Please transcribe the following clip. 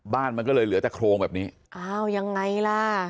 บ้านมันก็เลยเหลือแต่โครงแบบนี้อ้าวยังไงล่ะ